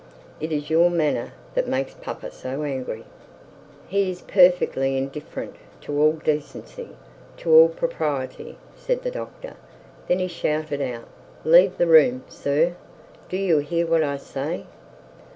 It is your manner that makes him so angry.' 'He is perfectly indifferent to all decency, to all propriety,' said the doctor; and then he shouted out, 'Leave the room, sir! Do you hear what I say?'